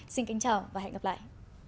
xin kính chào và hẹn gặp lại